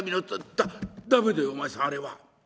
「だ駄目だよお前さんあれは。